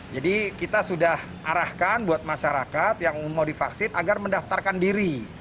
jadi kita sudah arahkan buat masyarakat yang mau divaksin agar mendaftarkan diri